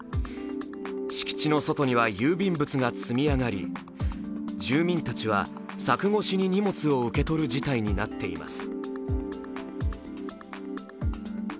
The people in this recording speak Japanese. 敷地の外には郵便物が積み上がり住民たちは柵越しに荷物を受け取る事態になっています。